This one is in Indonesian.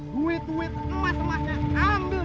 duit duit emas emasnya ambil